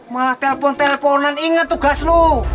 malah telpon telponan inget tugas lu